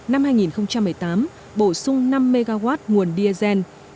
năm hai nghìn một mươi tám bổ sung năm mw nguồn diesel